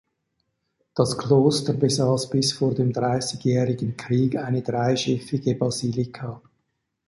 Das Kloster besaß bis vor dem Dreißigjährigen Krieg eine dreischiffige Basilika.